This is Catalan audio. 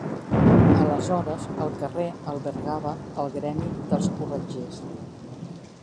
Aleshores el carrer albergava el gremi dels corretgers.